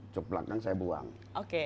jog belakang saya buang oke